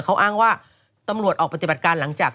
เขาอ้างว่าตำรวจออกปฏิบัติการหลังจาก